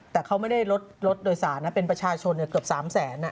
แต่เขาไม่ได้รถโดยศาลนะเป็นประชาชนเกือบ๓๐๐๐๐๐อ่ะ